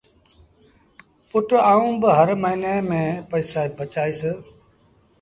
پُٽ آئوٚݩ با هر موهيݩي ميݩ پئيٚسآ بچآئيٚس۔